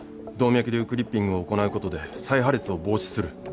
動脈瘤クリッピングを行なうことで再破裂を防止する。